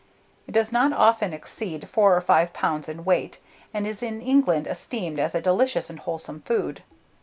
It does not often exceed four or five pounds in weight, and is in England esteemed as a delicious and wholesome food.